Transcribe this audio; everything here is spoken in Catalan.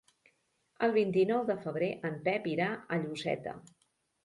El vint-i-nou de febrer en Pep irà a Lloseta.